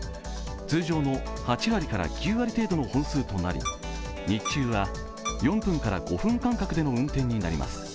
通常の８割から９割程度の本数となり、日中は４分から５分間隔の運転となります。